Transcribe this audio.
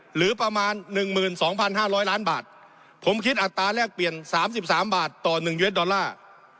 หรือประมาณหนึ่งหมื่นสองพันห้าร้อยล้านบาทผมคิดอัตราแลกเปลี่ยนสามสิบสามบาทต่อหนึ่งยูเอสดอลลาร์